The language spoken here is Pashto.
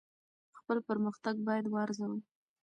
خپل پرمختګ باید وارزوئ.